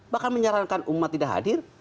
bahkan menyarankan umat tidak hadir